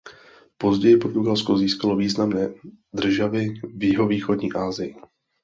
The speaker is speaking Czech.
Později Portugalsko získalo významné državy v jihovýchodní Asii.